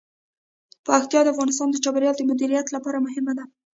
پکتیا د افغانستان د چاپیریال د مدیریت لپاره مهم دي.